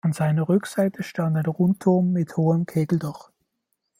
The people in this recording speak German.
An seiner Rückseite stand ein Rundturm mit hohem Kegeldach.